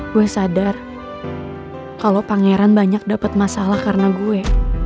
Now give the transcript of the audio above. gue sadar kalo pangeran banyak dapet masalah karena gue